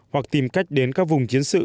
hoặc tìm cách đến các vùng chiến sự